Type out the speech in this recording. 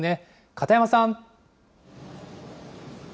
片山さん。